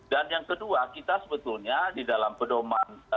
dan yang kedua kita sebetulnya di dalam pedoman